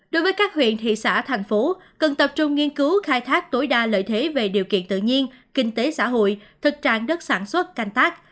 đối với các huyện thị xã thành phố cần tập trung nghiên cứu khai thác tối đa lợi thế về điều kiện tự nhiên kinh tế xã hội thực trạng đất sản xuất canh tác